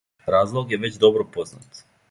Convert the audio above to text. Разлог је већ добро познат.